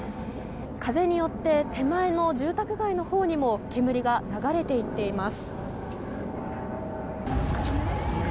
風によって手前の住宅街のほうにも煙が流れて行っています。